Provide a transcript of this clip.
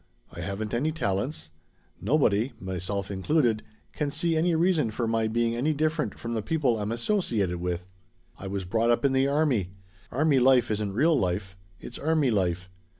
I haven't any talents. Nobody myself included can see any reason for my being any different from the people I'm associated with. I was brought up in the army. Army life isn't real life. It's army life.